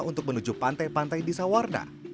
untuk menuju pantai pantai di sawarna